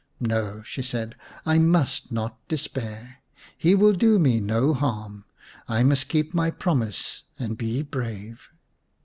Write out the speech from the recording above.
" No," she said ; "I must not despair. He will do me no harm ; I must keep my promise and be brave."